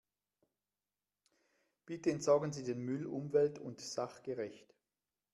Bitte entsorgen Sie den Müll umwelt- und sachgerecht.